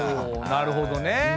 おなるほどね。